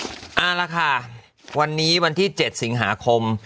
เอาละค่ะวันนี้วันที่๗สิงหาคม